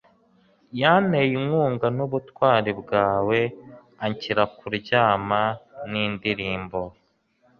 yanteye inkunga nubutwari bwawe, anshyira kuryama nindirimbo .